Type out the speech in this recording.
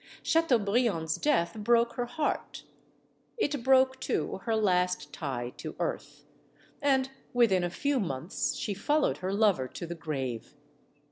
Chateau briand's death broke her heart. It broke, too, her last tie to earth. And within a few months she followed her lover to the grave.